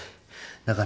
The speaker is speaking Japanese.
だから。